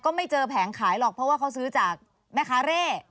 ไม่เจอแผงขายหรอกเพราะว่าเขาซื้อจากแม่ค้าเร่